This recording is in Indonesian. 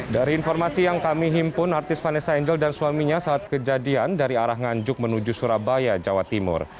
dari informasi yang kami himpun artis vanessa angel dan suaminya saat kejadian dari arah nganjuk menuju surabaya jawa timur